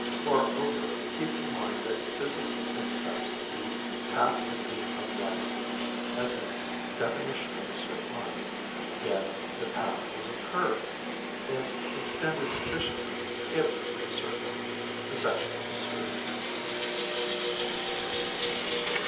Moreover, keep in mind that physics accepts the path of a beam of light as its definition of a straight line. Yet, the path is a curve; if extended sufficiently it would be a circle, the section of a sphere."